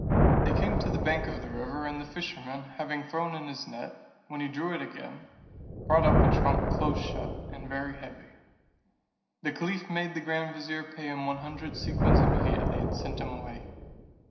They came to the bank of the river, and the fisherman, having thrown in his net, when he drew it again, brought up a trunk close shut, and very heavy. The caliph made the grand vizier pay him one hundred sequins immediately, and sent him away.